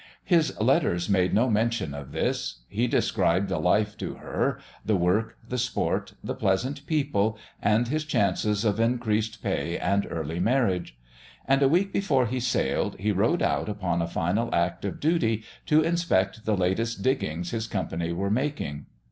His letters made no mention of this. He described the life to her, the work, the sport, the pleasant people, and his chances of increased pay and early marriage. And a week before he sailed he rode out upon a final act of duty to inspect the latest diggings his company were making.